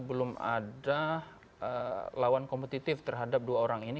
belum ada lawan kompetitif terhadap dua orang ini